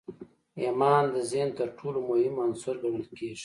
ايمان د ذهن تر ټولو مهم عنصر ګڼل کېږي.